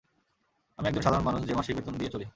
আমি একজন সাধারণ মানুষ, যে মাসিক বেতন নিয়ে চলি।